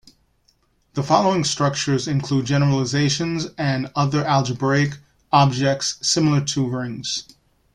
The following structures include generalizations and other algebraic objects similar to rings.